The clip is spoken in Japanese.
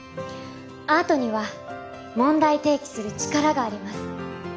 アートには問題提起する力があります